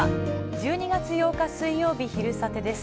１２月８日水曜日、「昼サテ」です。